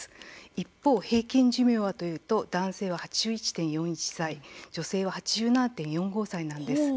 一方、平均寿命は男性は８１．４１歳女性は８７．４５歳です。